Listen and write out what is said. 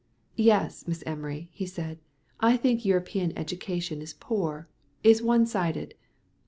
"Yes, Miss Emery," he said, "I think European education is poor, is one sided.